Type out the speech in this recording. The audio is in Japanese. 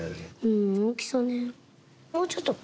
うん大きさね。